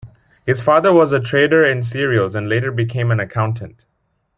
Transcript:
His father was a trader in cereals and later became an accountant.